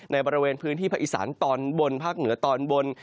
ในบริเวณพื้นที่ภาคอีสานตอนบนภาคเหนือตอนบน